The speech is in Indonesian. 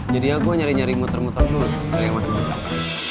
jadi ya gue nyari nyari muter muter dulu cari yang masih jepang